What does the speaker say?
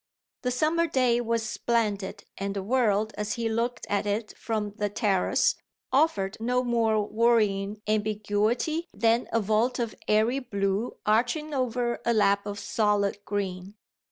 The summer day was splendid and the world, as he looked at it from the terrace, offered no more worrying ambiguity than a vault of airy blue arching over a lap of solid green.